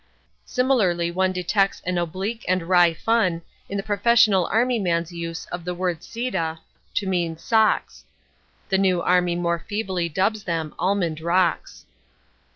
Similarly one detects an oblique and wry fun in the professional army man's use of the word "sieda" to mean "socks." (The new army more feebly dubs them "almond rocks.")